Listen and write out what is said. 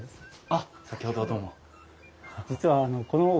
あっ先ほどはどうも。